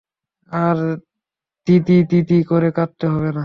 আর দিদি দিদি করে কাঁদতে হবে না।